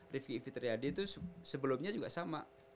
rifki fitriyadi itu sebelumnya juga sama